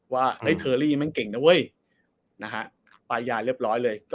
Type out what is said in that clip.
ว่าเธอรี่มันเก่งนะเว้ยนะฮะป้ายยาเรียบร้อยเลย